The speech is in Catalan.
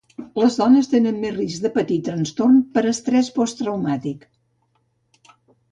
Les dones tenen més risc de patir trastorn per estrès posttraumàtic.